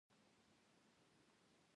د ننګرهار په کوز کونړ کې د مرمرو نښې شته.